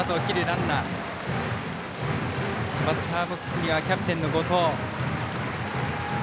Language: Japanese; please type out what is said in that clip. バッターボックスにはキャプテンの後藤。